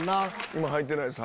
今入ってないです。